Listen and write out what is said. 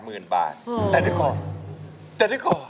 แต่ได้ก่อนแต่ได้ก่อน